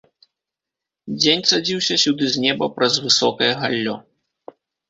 Дзень цадзіўся сюды з неба праз высокае галлё.